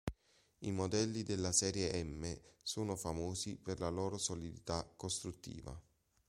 I modelli della serie M sono famosi per la loro solidità costruttiva.